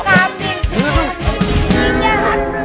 amin ini tuh amin